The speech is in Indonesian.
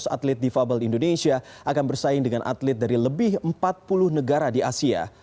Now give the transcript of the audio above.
dua ratus atlet difabel indonesia akan bersaing dengan atlet dari lebih empat puluh negara di asia